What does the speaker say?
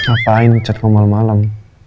ini ngapain ini ngecat aku malam malam